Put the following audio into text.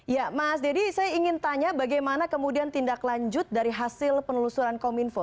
ya mas deddy saya ingin tanya bagaimana kemudian tindak lanjut dari hasil penelusuran kominfo